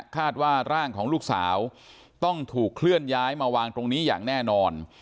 คาดว่าร่างของลูกสาวต้องถูกเคลื่อนย้ายมาวางตรงนี้อย่างแน่นอน